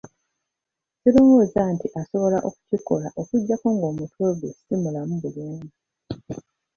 Sirowooza nti asobola okukikola okuggyako ng'omutwe gwe si mulamu bulungi.